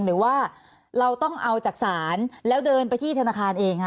หรือว่าเราต้องเอาจากศาลแล้วเดินไปที่ธนาคารเองคะ